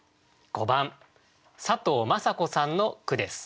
５番佐藤マサ子さんの句です。